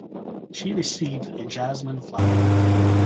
She received a jasmine flower.